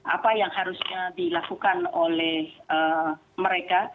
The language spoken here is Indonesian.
apa yang harusnya dilakukan oleh mereka